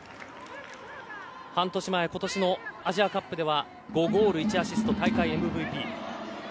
半年前、今年のアジアカップでは５ゴール１アシストで大会ＭＶＰ。